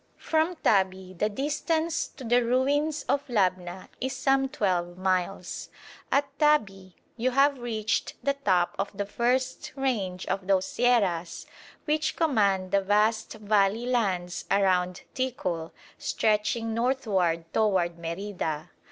From Tabi the distance to the ruins of Labna is some twelve miles. At Tabi you have reached the top of the first range of those sierras which command the vast valley lands around Ticul, stretching northward toward Merida.